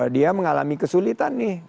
dia mengalami kesulitan nih